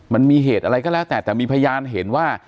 มันมีเหตุอะไรก็แล้วแต่แต่มีพยานเห็นว่า